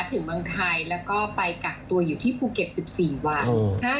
ถึงเมืองไทยแล้วก็ไปกักตัวอยู่ที่ภูเก็ต๑๔วัน